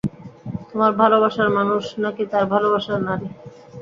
তোমার ভালোবাসার মানুষ, নাকি তার ভালোবাসার নারী?